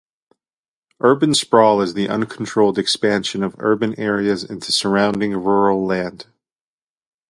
Urban sprawl is the uncontrolled expansion of urban areas into surrounding rural land.